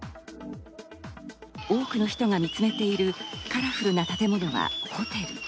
多くの人が見つめているカラフルな建物はホテル。